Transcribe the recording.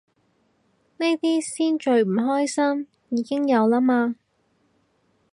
呢啲先最唔關心，已經有啦嘛